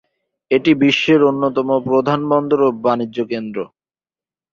এটি বিশ্বের অন্যতম প্রধান বন্দর, ও বাণিজ্যকেন্দ্র।